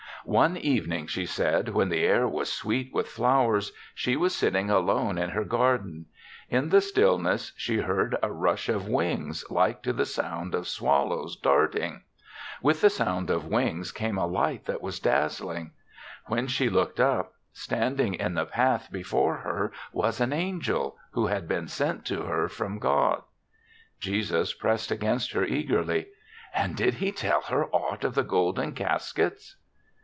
"One evening," she said, "when the air was sweet with flowers, she was sitting alone in her garden. In the stillness she heard a rush of wings, like to the sound of swallows darting. With the sound of wings came a light that was dazzling. When she looked up, standing in the 24 THE SEVENTH CHRISTMAS path before her was an angel who had been sent to her from God/* Jesus pressed against her eagerly. ''And did he tell her aught of the; golden caskets?